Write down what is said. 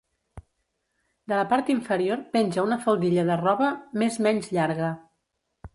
De la part inferior penja una faldilla de roba més menys llarga.